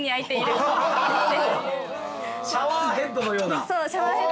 ◆そうシャワーヘッドのような。